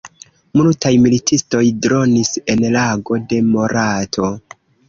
Multaj militistoj dronis en lago de Morato.